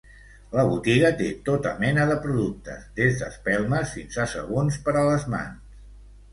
La botiga té tota mena de productes: des d'espelmes fins a sabons per a les mans.